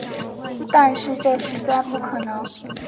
但是这实在不可能